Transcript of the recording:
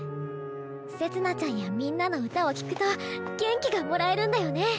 せつ菜ちゃんやみんなの歌を聴くと元気がもらえるんだよね。